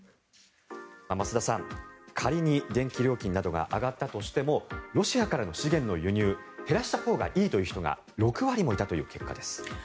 増田さん、仮に電気料金などが上がったとしてもロシアからの資源の輸入を減らしたほうがいいという人が６割もいたという結果です。